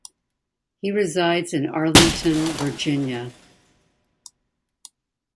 He resides in Arlington, Virginia.